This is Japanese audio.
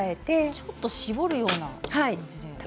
ちょっと絞るような感じで。